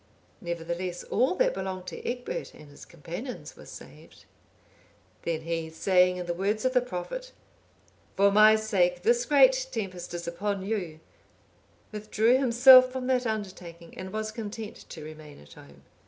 Nevertheless, all that belonged to Egbert and his companions was saved. Then he, saying, in the words of the prophet, "For my sake this great tempest is upon you,"(821) withdrew himself from that undertaking and was content to remain at home.